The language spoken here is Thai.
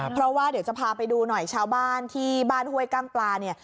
เพราะว่าเดี๋ยวจะพาไปดูหน่อยชาวบ้านที่บ้านห้วยกั้งปลาเนี่ย